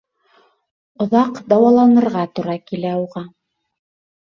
Оҙаҡ дауаланырға тура килә уға.